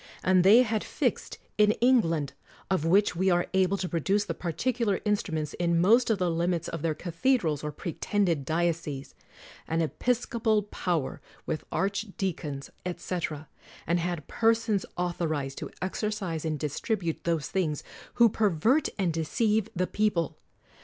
And they had fixed in England — of which we are able to produce the particular instruments in most of the limits of their cathe drals or pretended dioceses — an episcopal power 126 CROMWELL with archdeacons, etc., and had persons author ized to exercise and distribute those things, who pervert and deceive the people.